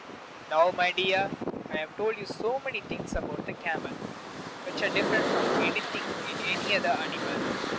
Now, my dear, I have told you many things about the camel which are different from anything in any other animal.